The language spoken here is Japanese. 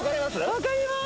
わかります